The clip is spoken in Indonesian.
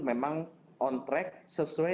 memang on track sesuai